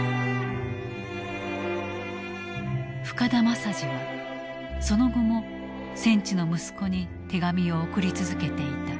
深田政次はその後も戦地の息子に手紙を送り続けていた。